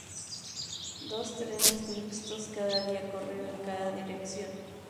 Dos trenes mixtos cada día corrió en cada dirección.